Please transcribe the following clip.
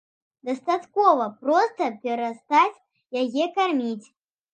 Дастаткова проста перастаць яе карміць.